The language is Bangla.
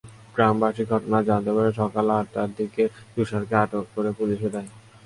গ্রামবাসী ঘটনা জানতে পেরে সকাল আটটার দিকে তুষারকে আটক করে পুলিশে দেয়।